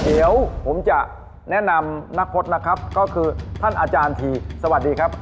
เดี๋ยวผมจะแนะนำนักพจน์นะครับก็คือท่านอาจารย์ทีสวัสดีครับ